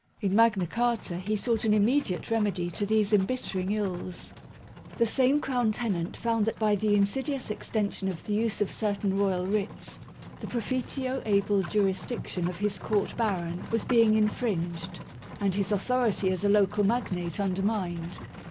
In Magna Carta he sought an immediate remedy to these embittering ills. The same Crown tenant found that by the insidious ex tension of the use of certain royal writs, the profit io MAGNA CARTA (1215 1915) able jurisdiction of his court baron was being infringed, and his authority as a local magnate undermined.